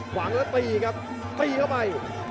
ขวางแล้วตีครับตีเข้าไป